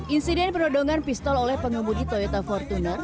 insiden penodongan pistol oleh pengemudi toyota fortuner